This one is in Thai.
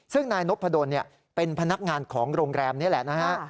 ซึ่งนายนพดลเป็นพนักงานของโรงแรมนี่แหละนะฮะ